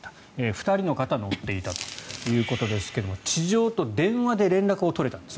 ２人の方が乗っていたということですが地上と電話で連絡を取れたんです